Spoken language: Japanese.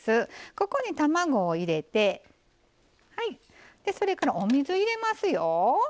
ここに卵を入れてそれからお水を入れますよ。